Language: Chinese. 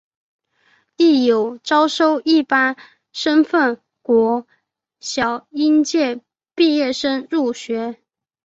亦有招收一般身份国小应届毕业生入学。